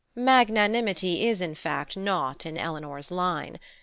Magnanimity is, in fact, not in Eleanor's line.